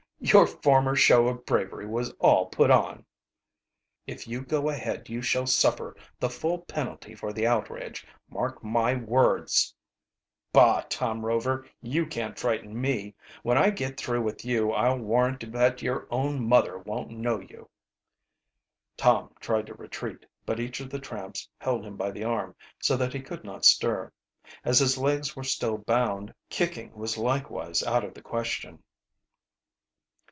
"Your former show of bravery was all put on." "If you go ahead you shall suffer the full penalty for the outrage, mark my words." "Bah, Tom Rover, you can't frighten me. When I get through with you I'll warrant that your own mother won't know you." Tom tried to retreat, but each of the tramps held him by the arm, so that he could not stir. As his legs were still bound, kicking was likewise out of the question.